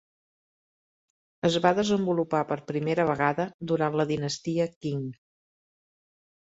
Es va desenvolupar per primera vegada durant la dinastia Qing.